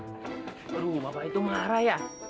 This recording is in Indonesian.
aduh bapak itu marah ya